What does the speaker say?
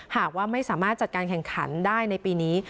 หากว่าไม่สามารถจัดการแข่งขันได้ในปีนี้